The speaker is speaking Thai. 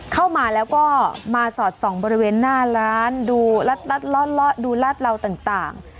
เข้ามาแล้วก็มาสอดส่องบริเวณหน้าร้านดูล็อดล็อดล็อดดูลาดลาวต่าง